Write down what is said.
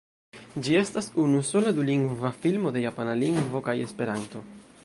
Ĝi estas unu sola dulingva filmo de japana lingvo kaj esperanto.